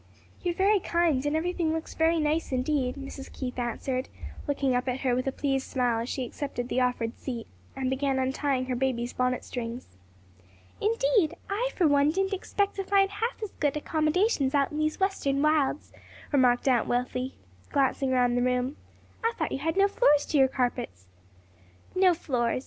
"You are very kind, and everything looks very nice indeed," Mrs. Keith answered, looking up at her with a pleased smile as she accepted the offered seat, and began untying her baby's bonnet strings. "Indeed, I, for one, didn't expect to find half as good accommodations out in these western wilds," remarked Aunt Wealthy, glancing round the room. "I thought you had no floors to your carpets." "No floors?